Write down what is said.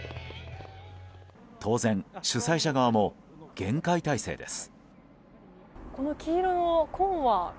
当然、主催者側も厳戒態勢です。